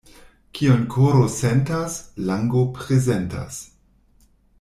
Kion koro sentas, lango prezentas.